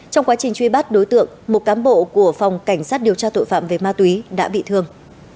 trong quá trình truy bắt đối tượng một cám bộ của phòng cảnh sát điều tra tội phạm về ma túy đã bị thương